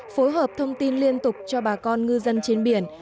phối hợp thông tin liên tục cho bà con ngư dân trên biển